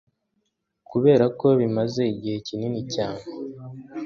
kuberako bimaze igihe kinini cyane